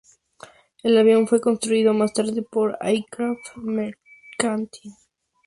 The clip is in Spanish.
El avión fue construido más tarde por "Aircraft Mechanics, Inc".